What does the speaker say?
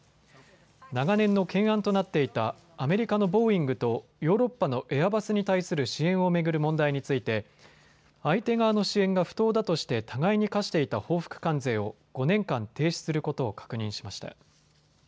長年の懸案となっていたアメリカのボーイングとヨーロッパのエアバスに対する支援を巡る問題について相手側の支援が不当だとして互いに課していた報復関税を５年間停止することを確認しました。